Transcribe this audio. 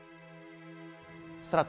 nggak sampe segitu